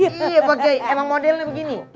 iya pak kiai emang modelnya begini